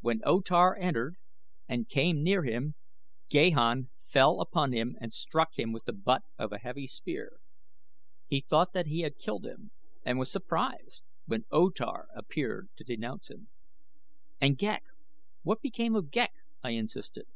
When O Tar entered and came near him Gahan fell upon him and struck him with the butt of a heavy spear. He thought that he had killed him and was surprised when O Tar appeared to denounce him." "And Ghek? What became of Ghek?" I insisted.